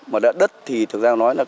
mà đất thì thực ra nói là